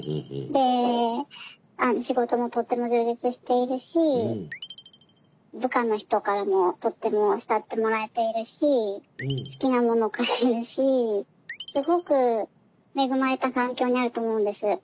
で仕事もとても充実しているし部下の人からもとっても慕ってもらえているし好きなもの買えるしすごく恵まれた環境にあると思うんです。